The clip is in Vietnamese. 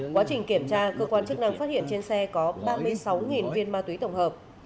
quá trình kiểm tra cơ quan chức năng phát hiện trên xe có ba mươi sáu viên ma túy tổng hợp